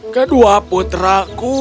kedua putra ku